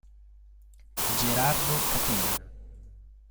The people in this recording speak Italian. Gerardo Catena